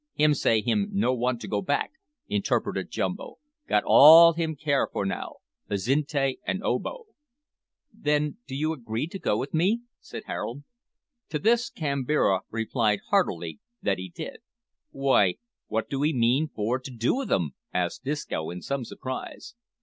"Him say him no' want to go back," interpreted Jumbo; "got all him care for now Azinte and Obo." "Then do you agree to go with me?" said Harold. To this Kambira replied heartily that he did. "W'y, wot do 'ee mean for to do with 'em?" asked Disco, in some surprise.